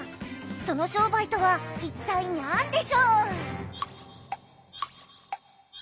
その商売とは一体にゃんでしょう？